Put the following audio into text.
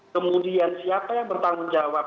kemudian siapa yang bertanggung jawab